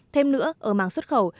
thêm nữa ở mảng xuất khẩu